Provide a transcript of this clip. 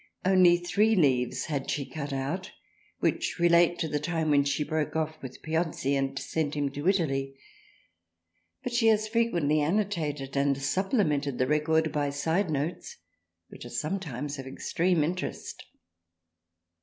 Only three leaves had she cut out, which relate to the time when she broke off with Piozzi and sent him to Italy, but she has frequently anno tated and supplemented the record by side notes which are sometimes of extreme interest.